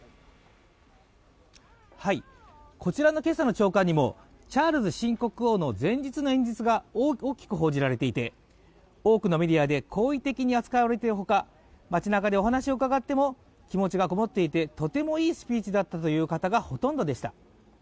こちらの今朝の朝刊にもチャールズ新国王の前日の演説が大きく報じられていて多くのメディアで好意的に扱われているほか、街なかでお話を伺っても気持ちがこもっていて、とてもいいスピーチだったという方がほとんどでした。